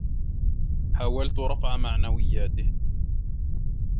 حاولت رفع معنوياته.